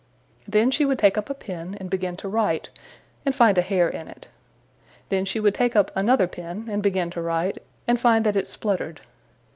Then she would take up a pen, and begin to write, and find a hair in it. Then she would take up another pen, and begin to write, and find that it spluttered.